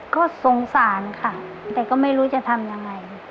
ก็สงสารค่ะแต่ก็ไม่รู้จะทำยังไง